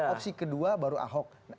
opsi kedua baru ahok